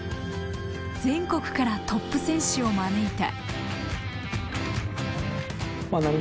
全国からトップ選手を招いた。